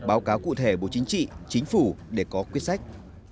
báo cáo cụ thể bộ chính trị chính phủ để có quyết sách